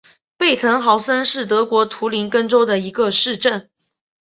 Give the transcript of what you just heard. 贝滕豪森是德国图林根州的一个市镇。